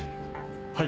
はい。